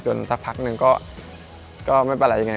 สักพักนึงก็ไม่เป็นไรยังไง